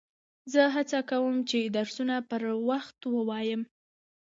زه هڅه کوم، چي درسونه پر وخت ووایم.